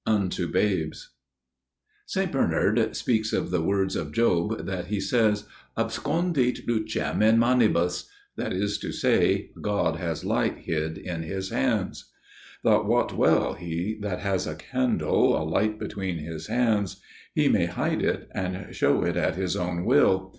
Unto Babes "Saint Bernard speaks of the words of Job that he says: 'Abscondit lucem in manibus' (that is to say, 'God has light hid in His hands')––'Thou wot well, he that has a candle a light between his hands, he may hide it and shew it at his own will.